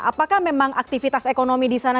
apakah memang aktivitas ekonomi di sana